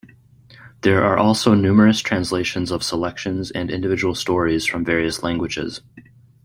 There are also numerous translations of selections and individual stories from various languages.